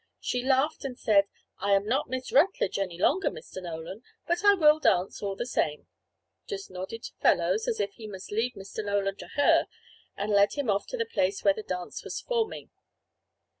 She laughed and said: "I am not Miss Rutledge any longer, Mr. Nolan; but I will dance all the same," just nodded to Fellows, as if to say he must leave Mr. Nolan to her, and led him off to the place where the dance was forming.